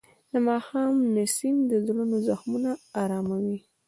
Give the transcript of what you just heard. د ماښام نسیم د زړونو زخمونه آراموي.